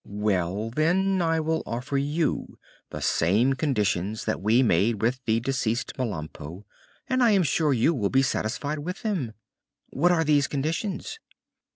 "Well, then, I will offer you the same conditions that we made with the deceased Melampo, and I am sure you will be satisfied with them." "What are these conditions?"